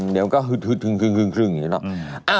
เดี๋ยวก็ว่ากระเคือดหุ่นผมเข้าไปเหี้ยพูดถึงอย่างเหลือ